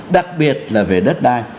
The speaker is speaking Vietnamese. đặc biệt là về đất đai